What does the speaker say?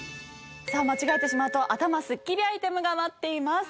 さあ間違えてしまうと頭スッキリアイテムが待っています。